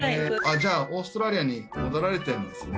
じゃあオーストラリアに戻られてるんですね。